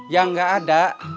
yang gak ada